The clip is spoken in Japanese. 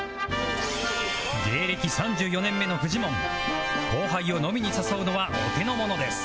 芸歴３４年目のフジモン後輩を飲みに誘うのはお手の物です